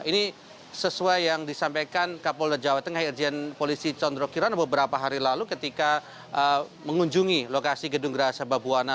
ini sesuai yang disampaikan kapol jawa tengah erjen polisi condro kiran beberapa hari lalu ketika mengunjungi lokasi gedung gerahasaba buwana